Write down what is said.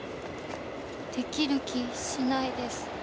できる気しないです。